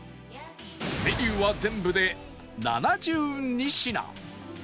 メニューは全部で７２品